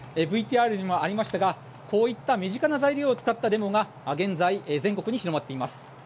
ＶＴＲにもありましたがこういった身近な材料を使ったデモが現在、全国に広まっています。